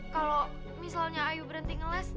kalau misalnya ayu berhenti ngeles